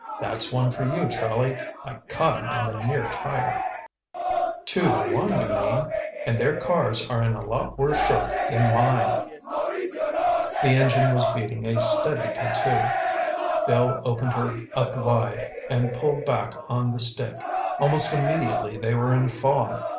"That's one for you, Charlie. I caught 'em in the near tire." "Two to one, you mean. And their cars are in a lot worse shape than mine." The engine was beating a steady tatoo. Bill opened her up wide and pulled back on the stick. Almost immediately they were in fog.